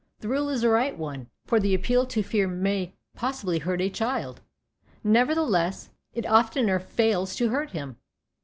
The rule is a right one, for the appeal to fear may possibly hurt a child; nevertheless, it oftener fails to hurt him.